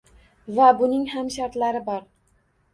Va buning ham shartlari bor.